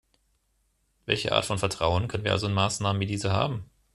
Welche Art von Vertrauen können wir also in Maßnahmen wie diese haben?